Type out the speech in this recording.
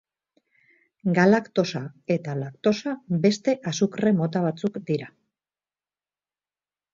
Galaktosa eta laktosa beste azukre mota batzuk dira.